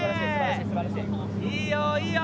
いいよいいよ